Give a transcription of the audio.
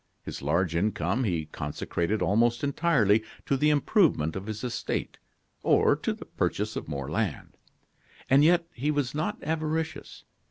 His large income he consecrated almost entirely to the improvement of his estate or to the purchase of more land. And yet, he was not avaricious.